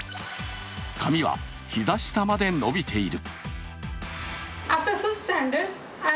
髪は膝下まで伸びている。